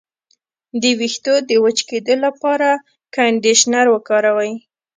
د ویښتو د وچ کیدو لپاره کنډیشنر وکاروئ